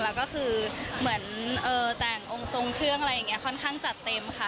แล้วก็คือเหมือนแต่งองค์ทรงเครื่องอะไรอย่างนี้ค่อนข้างจัดเต็มค่ะ